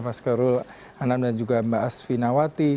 mas karul anand dan juga mba asfi nawati